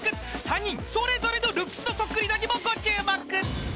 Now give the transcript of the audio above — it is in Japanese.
［３人それぞれのルックスのそっくり度にもご注目］